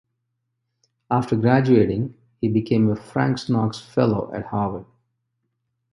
After graduating he became a Frank Knox Fellow at Harvard.